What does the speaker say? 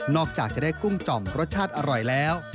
จากจะได้กุ้งจ่อมรสชาติอร่อยแล้ว